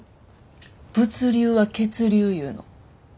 「物流は血流」いうの。